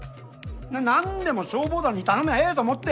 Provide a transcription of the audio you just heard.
なんでも消防団に頼みゃあええと思って！